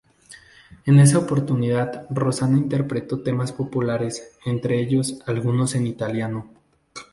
En esa oportunidad Rosanna interpretó temas populares, entre ellos, algunos en italiano.